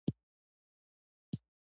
موږ باید یو ساتونکی نظام رامنځته کړو.